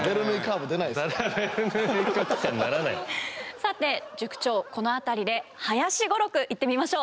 さて塾長この辺りで「林語録」いってみましょう！